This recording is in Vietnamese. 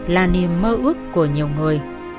là niềm mơ ước của nhiều người